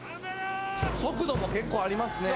速度も結構ありますね。